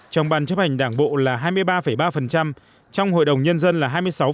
trong ban chấp hành đảng bộ là hai mươi ba ba trong hội đồng nhân dân là hai mươi sáu